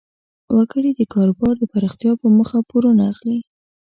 وګړي د کاروبار د پراختیا په موخه پورونه اخلي.